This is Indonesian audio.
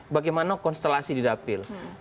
bagaimana konstelasi di dapil